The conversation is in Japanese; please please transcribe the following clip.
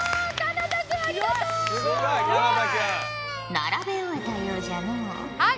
並べ終えたようじゃのう。